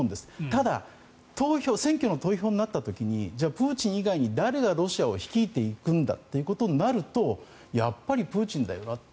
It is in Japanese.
ただ、選挙の投票になった時にじゃあプーチン以外に誰がロシアを率いていくんだということになるとやっぱりプーチンだよなって。